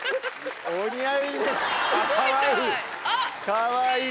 かわいい。